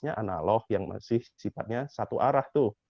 nah ini adalah prosesnya analog yang masih sifatnya satu arah tuh